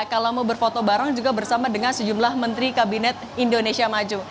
kalau mau berfoto bareng juga bersama dengan sejumlah menteri kabinet indonesia maju